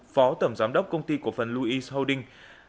phó tổng giám đốc công ty cổ phần louis holding